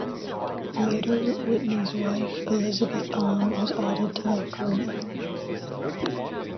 Later, Whitney's wife, Elizabeth Ann, was added to that group.